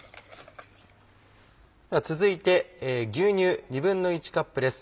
では続いて牛乳１／２カップです。